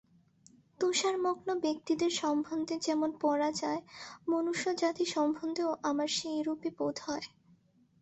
তুষারমগ্ন ব্যক্তিদের সম্বন্ধে যেমন পড়া যায়, মনুষ্যজাতি সম্বন্ধেও আমার সেইরূপই বোধ হয়।